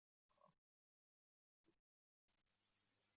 uchinchilar esa matnni o‘zlari bir necha marta o‘qib chiqishlari zarur.